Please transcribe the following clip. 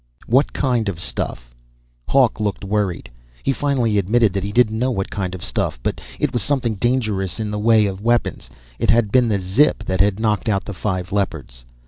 "What kind of stuff?" Hawk looked worried. He finally admitted that he didn't know what kind of stuff, but it was something dangerous in the way of weapons. It had been the "zip" that had knocked out the five Leopards.